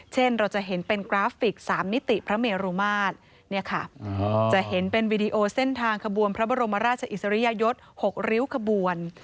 เช่นเราจะเห็นเป็นกราฟิก๓นิติพระเมรุมาตรเนี่ยค่ะจะเห็นเป็นวีดีโอเส้นทางขบวนพระบรมราชอิสริยยศ๖ริ้วขบวน